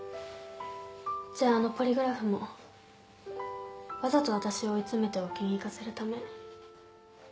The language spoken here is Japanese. じゃああのポリグラフもわざとわたしを追い詰めて置きに行かせるため？